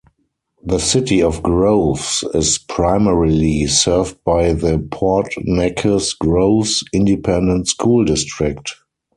The City of Groves is primarily served by the Port Neches-Groves Independent School District.